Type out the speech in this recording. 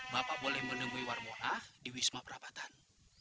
bapak boleh menemui warmuah di wisma perabatan